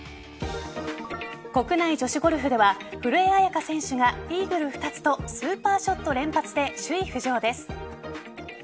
国内女子ゴルフでは古江彩佳選手がイーグル２つとスーパーショット連発で首位浮上です。